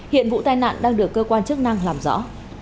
hiện vụ tai nạn đang được cơ quan chức năng làm rõ